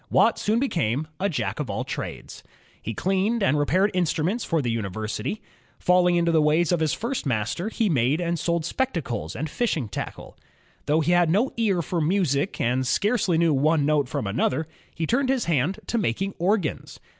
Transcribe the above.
Watt soon became a Jack of all trades. He cleaned and repaired instnmients for the imiversity. Falling into the ways of his first master, he made and sold spectacles and fishing tackle. Though he had no ear for music and scarcely knew one note from another, he turned his hand to making organs.